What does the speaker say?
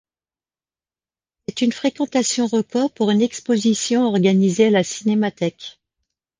C'est une fréquentation record pour une exposition organisée à la Cinémathèque.